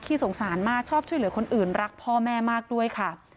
สงสารมากชอบช่วยเหลือคนอื่นรักพ่อแม่มากด้วยค่ะ